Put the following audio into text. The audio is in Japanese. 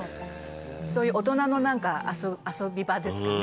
そういう大人のなんか遊び場ですかね。